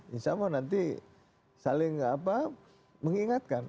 insya allah nanti saling mengingatkan